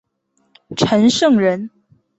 陈胜人。